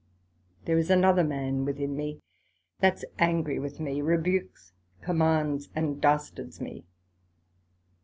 There is another man within me, that's angry with me, rebukes, commands, and dastards me.